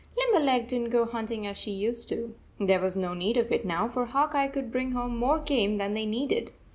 Limberleg did n t go hunting as she used to. There was no need of it now, for Hawk Eye could bring home more game than they needed.